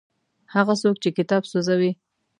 هغه څوک چې کتاب سوځوي.